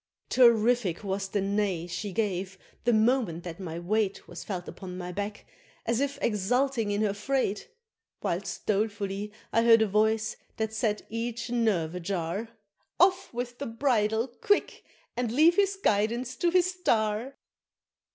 Terrific was the neigh she gave, the moment that my weight Was felt upon my back, as if exulting in her freight; Whilst dolefully I heard a voice that set each nerve ajar, "Off with the bridle quick! and leave his guidance to his star!"